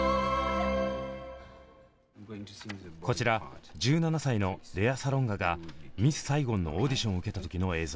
こちら１７歳のレア・サロンガが「ミス・サイゴン」のオーディションを受けた時の映像。